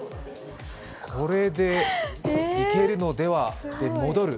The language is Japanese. これで行けるのではと、戻る。